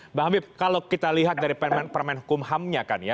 mbak habib kalau kita lihat dari permen hukum ham nya kan ya